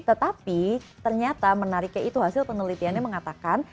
tetapi ternyata menariknya itu hasil penelitiannya mengatakan